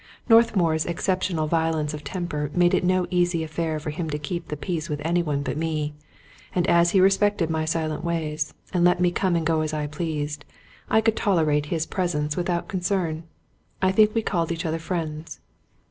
Northmour's exceptional violence of temper made it no easy affair for him to keep the peace with anyone but me; and as he respected my silent ways, and let me come and go as I pleased, I could tolerate his presence without concern. I think we called each other friends.